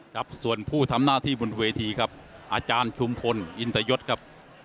ครับส่วนผู้ทำหน้าที่บนเวทีครับอาจารย์ชุมพลอินทยศครับ